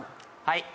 はい。